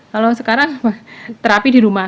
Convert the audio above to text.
kalau sekarang terapi di rumah